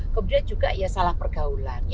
kemudian juga salah pergaulan